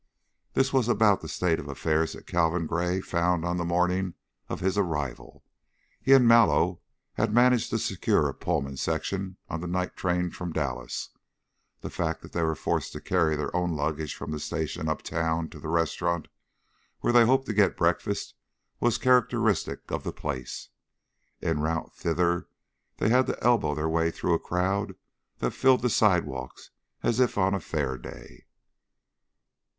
This was about the state of affairs that Calvin Gray found on the morning of his arrival. He and Mallow had managed to secure a Pullman section on the night train from Dallas; the fact that they were forced to carry their own luggage from the station uptown to the restaurant where they hoped to get breakfast was characteristic of the place. En route thither they had to elbow their way through a crowd that filled the sidewalks as if on a fair day.